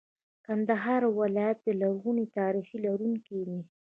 کندهار ولایت د لرغوني تاریخ لرونکی دی.